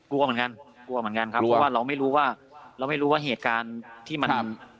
กลัวเหมือนกันครับเพราะว่าเราไม่รู้ว่าเหตุการณ์ที่มัน